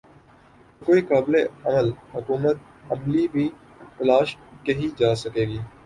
تو کوئی قابل عمل حکمت عملی بھی تلاش کی جا سکے گی۔